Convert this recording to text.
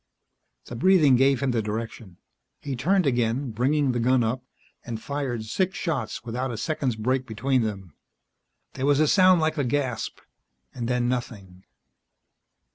The breathing gave him the direction. He turned again, bringing the gun up, and fired six shots without a second's break between them. There was a sound like a gasp, and then nothing.